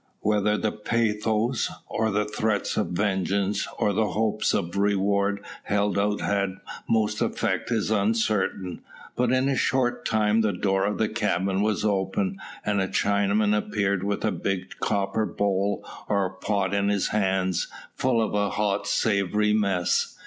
Whether the pathos, or the threats of vengeance, or the hopes of reward held out had most effect is uncertain, but in a short time the door of the cabin was opened, and a Chinamen appeared with a big copper bowl or pot in his hands, full of a hot savoury mess.